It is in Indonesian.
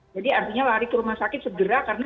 jadi artinya lari ke rumah sakit segera karena mereka